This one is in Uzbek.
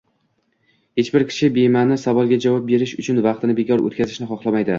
Hech bir kishi bema’ni savolga javob berish uchun vaqtini bekor o’tkazishni xohlamaydi